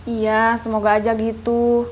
iya semoga aja gitu